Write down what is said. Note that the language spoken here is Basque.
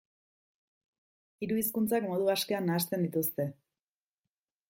Hiru hizkuntzak modu askean nahasten dituzte.